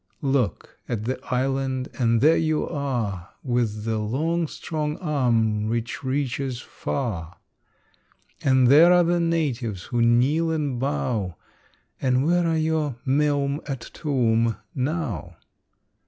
Look! At the island, and there you are With the long, strong arm which reaches far, And there are the natives who kneel and bow, And where are your meum et tuum now?